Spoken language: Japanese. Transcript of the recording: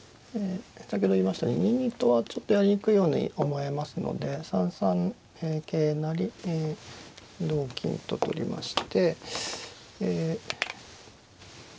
先ほど言いましたように２二とはちょっとやりにくいように思えますので３三桂成同金と取りまして。